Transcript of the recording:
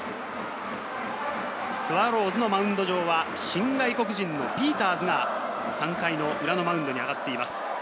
スワローズのマウンド上は新外国人・ピーターズが、３回の裏のマウンドに上がっています。